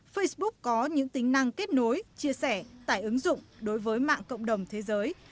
facebook có những tính năng kết nối chia sẻ tải ứng dụng đối với mạng cộng đồng thế giới